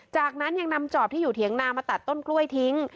จากนั้นยังนำจอบที่อยู่เถียงนามาตัดต้นกล้วยทิ้ง